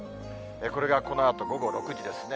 これがこのあと午後６時ですね。